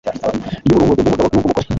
ry'uburumbuke bw'umugabo n'ubw'umugore